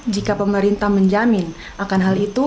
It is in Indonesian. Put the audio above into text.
jika pemerintah menjamin akan hal itu